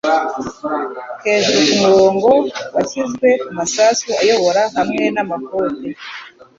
hejuru-kumurongo washyizwe kumasasu ayobora hamwe namakoti